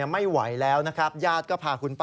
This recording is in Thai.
ไม่ไหวแล้วนะครับญาติก็พาคุณป้า